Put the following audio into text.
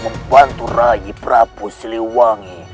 membantu raih prabu siri wangi